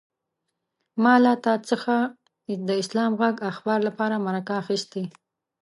ما له تا څخه د اسلام غږ اخبار لپاره مرکه اخيسته.